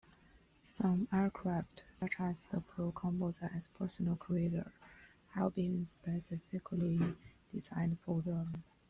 Some aircraft, such as the Pro-Composites Personal Cruiser have been specifically designed for them.